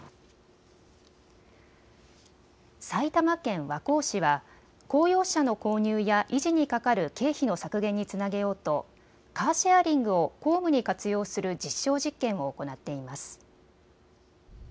埼玉県和光市は公用車の購入や維持にかかる経費の削減につなげようとカーシェアリングを公務に活用する実証実験を行っています。